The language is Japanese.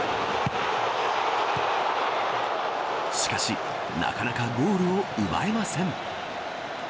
しかしなかなかゴールを奪えません。